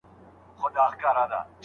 په بديو کي د نجلۍ ورکول منع دي.